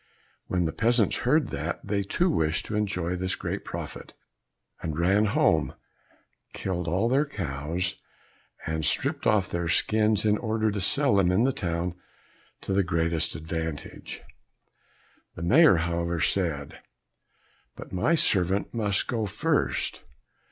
When the peasants heard that, they too wished to enjoy this great profit, and ran home, killed all their cows, and stripped off their skins in order to sell them in the town to the greatest advantage. The Mayor, however, said, "But my servant must go first."